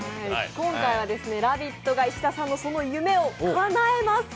今回は「ラヴィット！」が石田さんのその夢をかなえます。